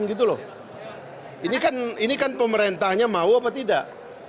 ini kan pemerintahnya mau apa tidak